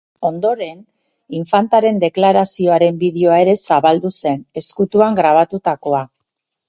Ondoren, infantaren deklarazioaren bideoa ere zabaldu zen, ezkutuan grabatutakoa.